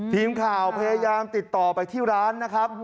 ทีมข่าวพยายามติดต่อไปที่ร้านนะครับ